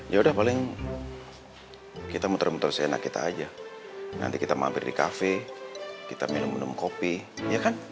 ya udah paling kita muter muter seenak kita aja nanti kita mampir di kafe kita minum minum kopi ya kan